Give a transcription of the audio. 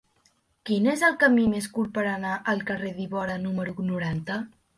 Quin és el camí més curt per anar al carrer d'Ivorra número noranta?